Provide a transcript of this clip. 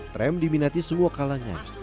tram diminati semua kalangan